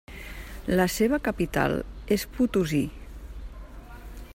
La seva capital és Potosí.